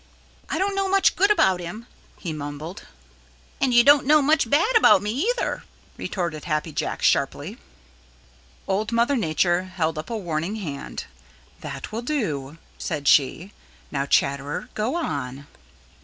"I don't know much good about him," he mumbled. "And you don't know much bad about me either," retorted Happy Jack sharply. Old Mother Nature held up a warning hand. "That will do," said she. "Now, Chatterer, go on."